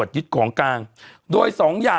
เบลล่าเบลล่า